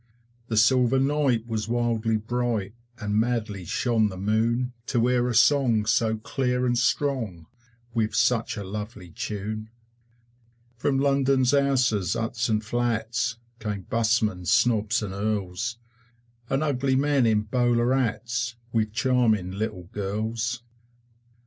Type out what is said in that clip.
The silver night was wildly bright, And madly shone the Moon To hear a song so clear and strong, With such a lovely tune. From London's houses, huts and flats, Came busmen, snobs, and Earls, And ugly men in bowler hats With charming little girls.